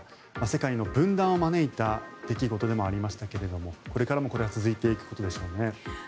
世界の分断を招いた出来事でもありましたけれどもこれからもこれは続いていくことでしょうね。